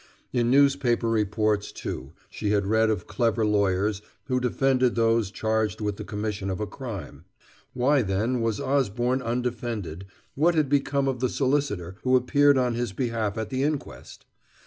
In newspaper reports, too, she had read of clever lawyers who defended those charged with the commission of a crime; why, then, was Osborne undefended; what had become of the solicitor who appeared in his behalf at the inquest?